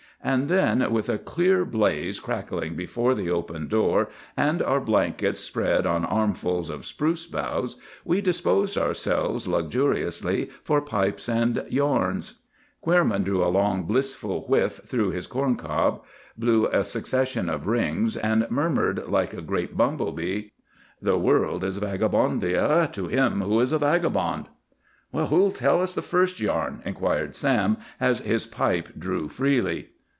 And then with a clear blaze crackling before the open door, and our blankets spread on armfuls of spruce boughs, we disposed ourselves luxuriously for pipes and yarns. Queerman drew a long, blissful whiff through his corn cob, blew a succession of rings, and murmured like a great bumblebee,— "The world is Vagabondia To him who is a vagabond." "Who'll tell us the first yarn?" inquired Sam, as his pipe drew freely.